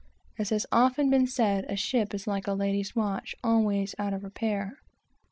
As has often been said, a ship is like a lady's watch, always out of repair.